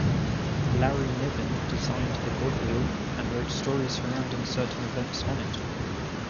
Larry Niven designed the Godwheel, and wrote stories surrounding certain events on it.